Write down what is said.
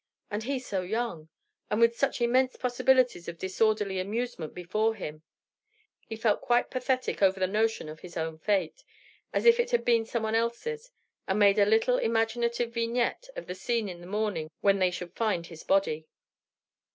And he so young! and with such immense possibilities of disorderly amusement before him! He felt quite pathetic over the notion of his own fate, as if it had been some one else's, and made a little imaginative vignette of the scene in the morning when they should find his body.